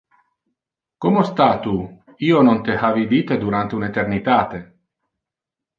Como sta tu? Io non te ha vidite durante un eternitate!